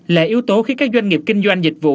là yếu tố khiến các doanh nghiệp kinh doanh dịch vụ